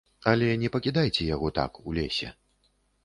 Але не пакідайце яго так, у лесе.